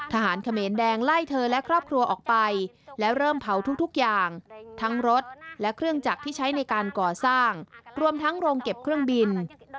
เขมรแดงไล่เธอและครอบครัวออกไปแล้วเริ่มเผาทุกอย่างทั้งรถและเครื่องจักรที่ใช้ในการก่อสร้างรวมทั้งโรงเก็บเครื่องบิน